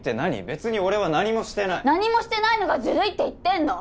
別に俺は何もしてない何もしてないのがずるいって言ってんの！